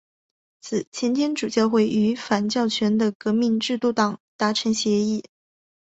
此前天主教会与反教权的革命制度党达成协议。